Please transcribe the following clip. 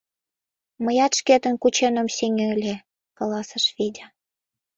— Мыят шкетын кучен ом сеҥе ыле, — каласыш Федя.